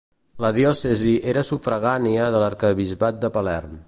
La diòcesi era sufragània de l'arquebisbat de Palerm.